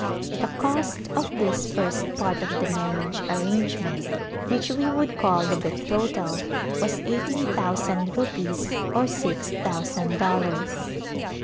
The cost of this first part of the marriage arrangement — which we would call the betrothal — was eighteen thousand ru pees, or six thousand dollars.